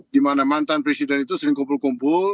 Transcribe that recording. dimana mantan presiden itu sering kumpul kumpul